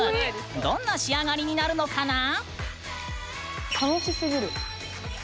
どんな仕上がりになるのかな？